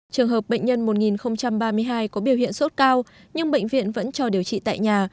trường hợp bệnh nhân một nghìn ba mươi hai có biểu hiện sốt cao nhưng bệnh viện vẫn cho điều trị tại nhà